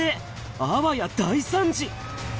あわや大惨事。